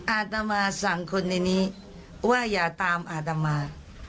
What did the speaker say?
อาตมาสั่งคนในนี้ว่าอย่าตามอาตมา